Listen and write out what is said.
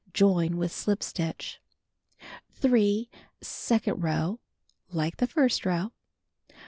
Join with slip stitch. 3. Second row: Like the first row.